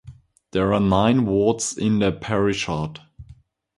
There are nine wards in the parishad.